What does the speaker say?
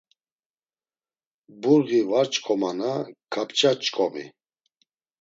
Burği var ç̌ǩomana kapça ç̌ǩomi.